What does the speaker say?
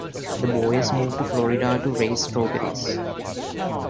The Boyers move to Florida to raise strawberries.